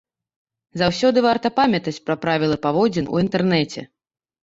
Заўсёды варта памятаць пра правілы паводзін у інтэрнэце.